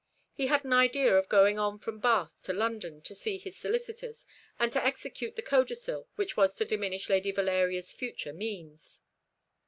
He had an idea of going on from Bath to London, to see his solicitors, and to execute the codicil which was to diminish Lady Valeria's future means.